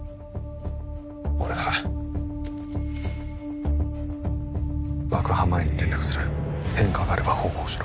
これが「爆破前に連絡する変化があれば報告しろ」